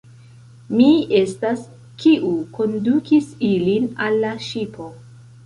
Mi estas, kiu kondukis ilin al la ŝipo.